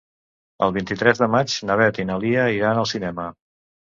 El vint-i-tres de maig na Beth i na Lia iran al cinema.